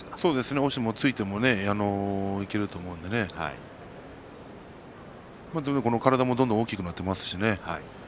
押しでも突いてもいけると思うんで体も、どんどん大きくなってますしね。